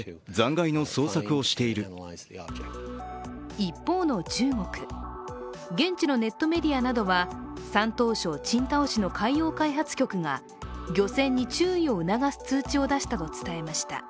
一方の中国、現地のネットメディアなどは山東省青島市の海洋開発局が漁船に注意を促す通知を出したと伝えました。